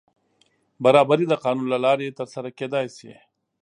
برابري د قانون له لارې تر سره کېدای شي.